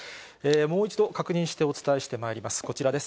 もう一度、確認してお伝えしてまいります。